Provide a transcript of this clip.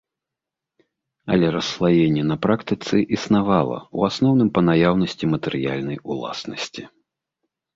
Але расслаенне на практыцы існавала, у асноўным па наяўнасці матэрыяльнай уласнасці.